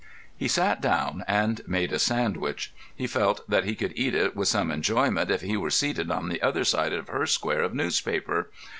He sat down and made a sandwich. He felt that he could eat it with some enjoyment if he were seated on the other side of her square of newspaper.